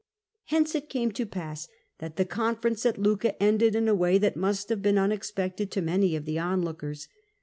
Hence it came to pass that the conference at Lucca ended in a way that must have been unexpected to many of the onlookers.